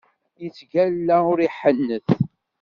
Yettgalla ur iḥennet!